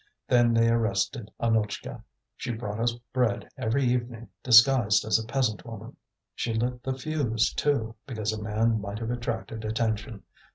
Then they arrested Annutchka. She brought us bread every evening, disguised as a peasant woman. She lit the fuse, too, because a man might have attracted attention.